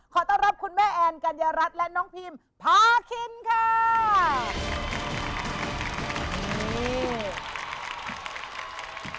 ขอต้อนรับคุณแม่แอนกัญญารัฐและน้องพิมพาคินค่ะ